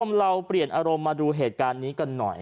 เราเปลี่ยนอารมณ์มาดูเหตุการณ์นี้กันหน่อย